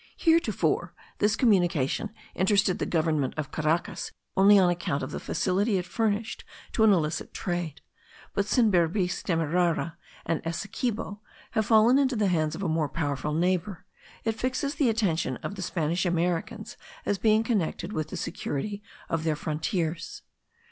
Heretofore this communication interested the government of Caracas only on account of the facility it furnished to an illicit trade; but since Berbice, Demerara, and Essequibo have fallen into the hands of a more powerful neighbour, it fixes the attention of the Spanish Americans as being connected with the security of their frontiers.